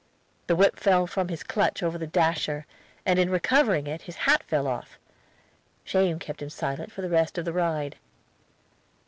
The whip fell from his clutch over the dasher, and in recovering it his hat fell off; shame kept him silent for the rest of the ride.